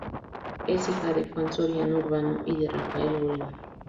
Es hija de Juan Soriano Urbano y de Rafaela Bolívar.